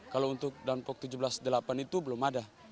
kalau untuk dampok tujuh belas delapan itu belum ada